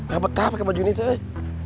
gapapa pake baju ini teh